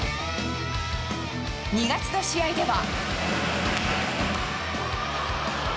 ２月の試合では。